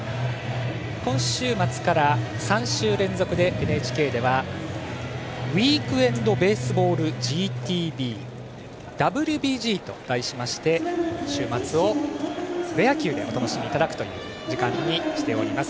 今週末から３週連続でＮＨＫではウイークエンドベースボールＧＴＶ「ＷＢＧ」と題しまして週末をプロ野球でお楽しみいただくという時間にしております。